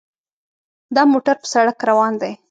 دا موټر په سړک روان دی.